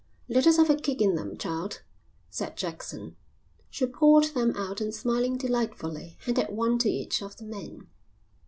"Let us have a kick in them, child," said Jackson. She poured them out and smiling delightfully handed one to each of the men.